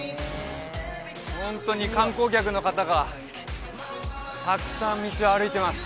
ホントに観光客の方がたくさん道を歩いてます